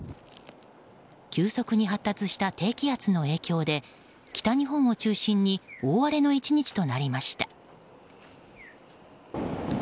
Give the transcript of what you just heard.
急速に発達した低気圧の影響で北日本を中心に大荒れの１日となりました。